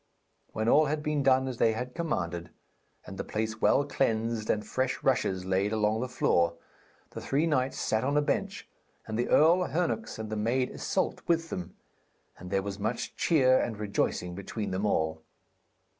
When all had been done as they had commanded, and the place well cleansed and fresh rushes laid along the floor, the three knights sat on a bench, and the Earl Hernox and the maid Issyllt with them, and there was much cheer and rejoicing between them all.